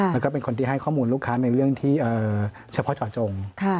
แล้วก็เป็นคนที่ให้ข้อมูลลูกค้าในเรื่องที่เฉพาะเจาะจง